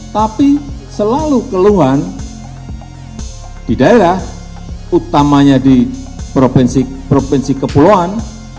tapi selalu keluhan di daerah utamanya di provinsi provinsi kepulauan